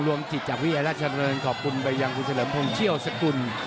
รวมจิตจากวิทยาลักษณ์ราชละเนินขอบคุณใบยังคุณเฉลิมพงศ์เชี่ยวสกุล